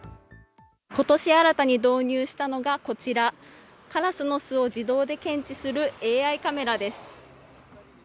ことし新たに導入したのがこちら、カラスの巣を自動で検知するＡＩカメラです。